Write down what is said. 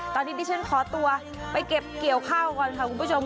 ตอนนี้ดิฉันขอตัวไปเก็บเกี่ยวข้าวก่อนค่ะคุณผู้ชม